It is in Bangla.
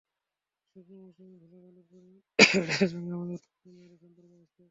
শুকনো মৌসুমে ধুলাবালুর পরিমাণ বেড়ে যাওয়ার সঙ্গে আমাদের অর্থবছরের মেয়াদের সম্পর্ক আছে।